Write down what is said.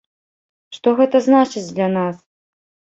Што гэта значыць для нас?